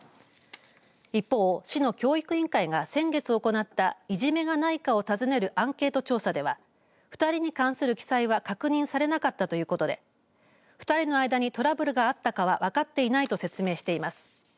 一方、市の教育委員会が先月行ったいじめがないかを尋ねるアンケート調査では２人に関する記載は確認されなかったということで２人の間にトラブルがあったかは分かっていないと説明しています。